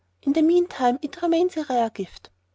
In the meantime it remains a rare gift."